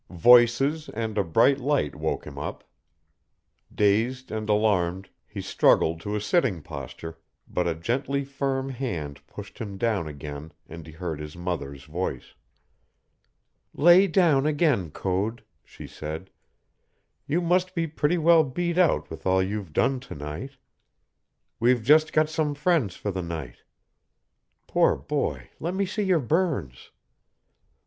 Voices and a bright light woke him up. Dazed and alarmed, he struggled to a sitting posture, but a gently firm hand pushed him down again and he heard his mother's voice. "Lay down again, Code," she said. "You must be pretty well beat out with all you've done to night. We've just got some friends for the night. Poor boy, let me see your burns!"